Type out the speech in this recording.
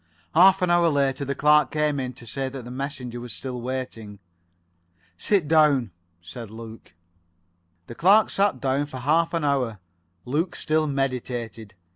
Half an hour later the clerk came in to say that the messenger was still waiting. "Sit down," said Luke. The clerk sat down for half an hour. Luke still meditated.